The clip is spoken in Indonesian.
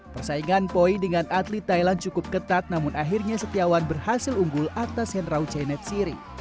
persaingan poi dengan atlet thailand cukup ketat namun akhirnya setiawan berhasil unggul atas henrau chinet siri